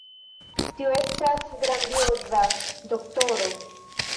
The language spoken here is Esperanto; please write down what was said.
Tio estas grandioza, doktoro!